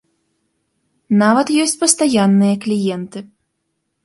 Нават ёсць пастаянныя кліенты.